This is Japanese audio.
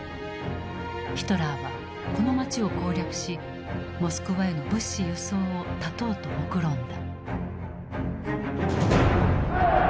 ヒトラーはこの街を攻略しモスクワへの物資輸送を断とうともくろんだ。